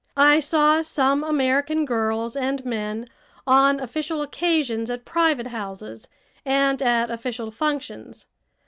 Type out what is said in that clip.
I saw some American girls and men on official occasions at private houses and at official functions.